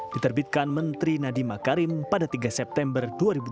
diterbitkan menteri nadiem makarim pada tiga september dua ribu dua puluh